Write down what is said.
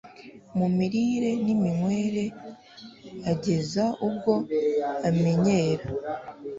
mu mirire n’iminywere ageza ubwo amenyera